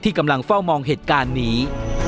กำลังเฝ้ามองเหตุการณ์นี้